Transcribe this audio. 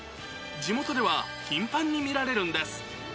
地元では頻繁に見られるんです。